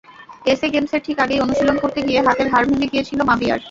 SA গেমসের ঠিক আগেই অনুশীলন করতে গিয়ে হাতের হাড় ভেঙে গিয়েছিল মাবিয়ার।